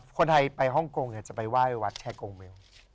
คนไทยไปฮ่องกงจะไปไหว้วัดแชร์กงเวล